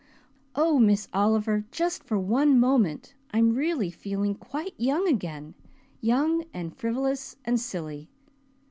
Oh, Miss Oliver, just for one moment I'm really feeling quite young again young and frivolous and silly.